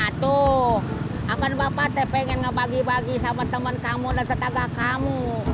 iya tuh akan bapak pengen ngebagi bagi sama teman dan tetangga kamu